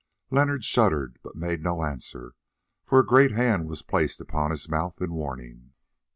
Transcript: Leonard shuddered, but made no answer, for a great hand was placed upon his mouth in warning.